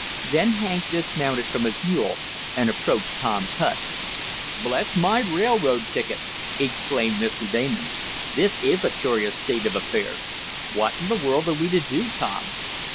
Then Hank dismounted from his mule and approached Tom's hut. "Bless my railroad ticket!" exclaimed Mr. Damon. "This is a curious state of affairs! What in the world are we to do, Tom?"